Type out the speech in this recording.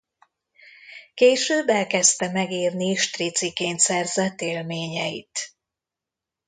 Később elkezdte megírni striciként szerzett élményeit.